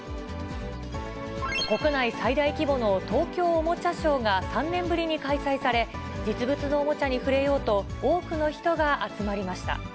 国内最大規模の東京おもちゃショーが３年ぶりに開催され、実物のおもちゃに触れようと、多くの人が集まりました。